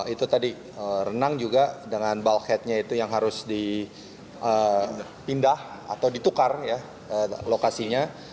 itu tadi renang juga dengan balkheadnya itu yang harus dipindah atau ditukar lokasinya